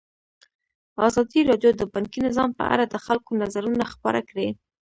ازادي راډیو د بانکي نظام په اړه د خلکو نظرونه خپاره کړي.